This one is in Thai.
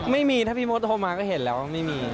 ไม่มีถ้าพี่มดโทรมาก็เห็นแล้วว่าไม่มี